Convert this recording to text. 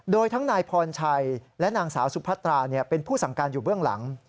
โดยทั้งนายพรชัยและนางสาวสุพัตราเป็นผู้สั่งการอยู่เบื้องหลัง